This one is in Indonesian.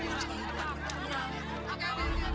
ini pak johan